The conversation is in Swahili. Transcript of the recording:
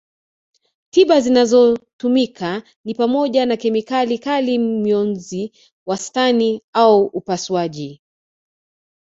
Tiba zinazotumika ni pamoja na kemikali kali mionzi wastani au upasuaji